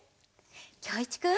きょういちくん。